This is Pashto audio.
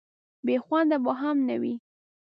بې خونده به هم نه وي.